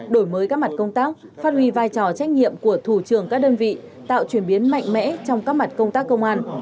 đổi mới các mặt công tác phát huy vai trò trách nhiệm của thủ trưởng các đơn vị tạo chuyển biến mạnh mẽ trong các mặt công tác công an